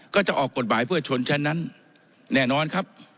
ก็จะออกกฎหมายเพื่อชนชั้นนั้นแน่นอนครับ